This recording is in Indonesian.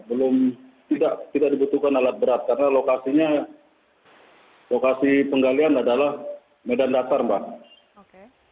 belum tidak dibutuhkan alat berat karena lokasinya lokasi penggalian adalah medan dasar mbak